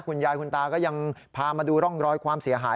คุณยายคุณตาก็ยังพามาดูร่องรอยความเสียหาย